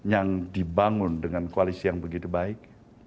yang dibangun dengan koalisi yang begitu baik